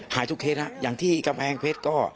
หายทุกเคสอย่างที่กำแพงเพชรก็